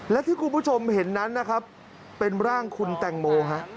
และที่คุณผู้ชมเห็นนั้นนะครับเป็นร่างคุณแตงโมฮะ